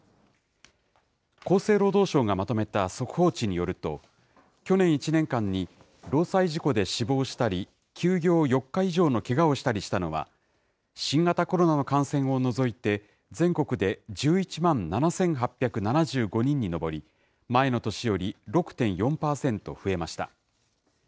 厚生労働省がまとめた速報値によると、去年１年間に労災事故で死亡したり、休業４日以上のけがをしたりしたのは、新型コロナの感染を除いて全国で１１万７８７５人に上り、前の年より６．４％増えました。